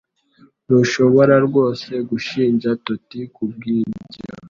Ntushobora rwose gushinja Toti kubwibyo